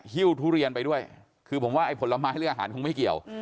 ฮิ้วทุเรียนไปด้วยคือผมว่าไอ้ผลไม้หรืออาหารคงไม่เกี่ยว